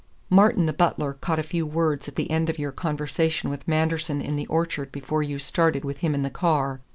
Martin the butler caught a few words at the end of your conversation with Manderson in the orchard before you started with him in the car.